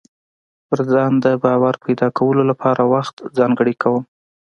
پر ځان د باور پيدا کولو لپاره وخت ځانګړی کوم.